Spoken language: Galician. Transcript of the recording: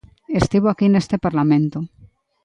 Estivo aquí neste Parlamento.